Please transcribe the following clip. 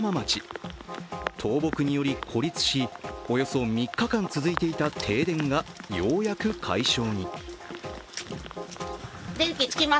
倒木により孤立し、およそ３日間続いていた停電がようやく解消に。